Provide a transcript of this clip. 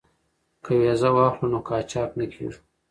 که ویزه واخلو نو قاچاق نه کیږو.